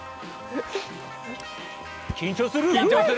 緊張する。